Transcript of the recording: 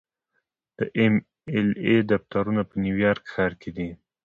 د ایم ایل اې دفترونه په نیویارک ښار کې دي.